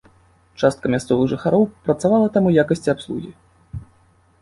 Частка мясцовых жыхароў працавала там у якасці абслугі.